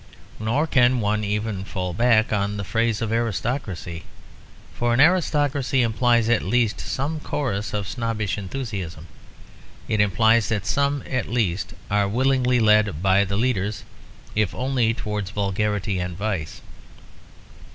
Nor can one even fall back on the phrase of aristocracy. For an aristocracy implies at least some chorus of snobbish enthusiasm; it implies that some at least are willingly led by the leaders, if only towards vulgarity and vice.